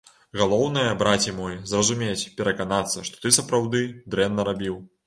Галоўнае, браце мой, зразумець, пераканацца, што ты сапраўды дрэнна рабіў.